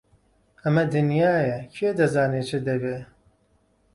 ئەمە دنیایە، کێ دەزانێ چ دەبێ!